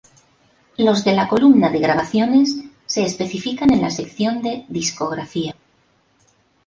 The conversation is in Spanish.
Los de la columna de "grabaciones" se especifican en la sección de "discografía".